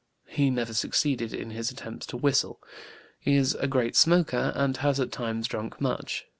He never succeeded in his attempts to whistle. He is a great smoker, and has at times drunk much.